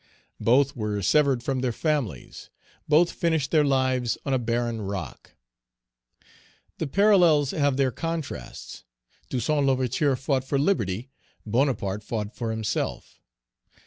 Both were severed from their families. Both finished their lives on a barren rock. Page 291 The parallels have their contrasts. Toussaint L'Ouverture fought for liberty; Bonaparte fought for himself.